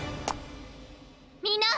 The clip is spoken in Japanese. みんな！